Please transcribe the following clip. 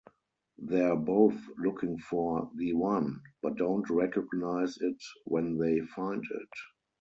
They're both looking for 'The One', but don't recognize it when they find it.